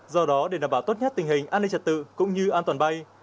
do đó để đảm bảo tốt nhất tình hình an ninh trật tự cũng như an toàn bay